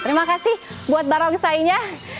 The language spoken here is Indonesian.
terima kasih buat barongsainya